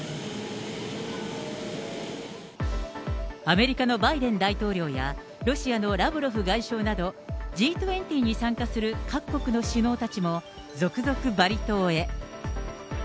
アメリカのバイデン大統領やロシアのラブロフ外相など、Ｇ２０に参加する各国の首脳たちも、続々、バリ島へ。